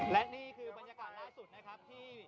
เดี๋ยวพึ่งไปครับ